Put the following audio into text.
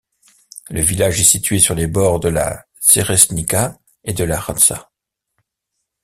Le village est situé sur les bords de la Čerešnica et de la Rača.